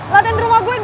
laten di rumah gue gak